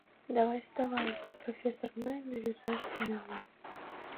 Давай вставай! — профессор мыйым рӱзаш тӱҥале.